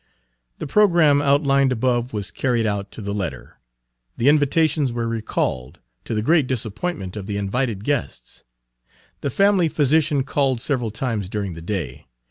The programme outlined above was carried out to the letter. The invitations were recalled, to the great disappointment of the invited guests. The family physician called several times during the day.